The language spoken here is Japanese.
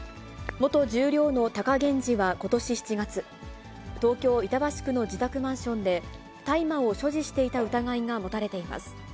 元十両の貴源治はことし７月、東京・板橋区の自宅マンションで、大麻を所持していた疑いが持たれています。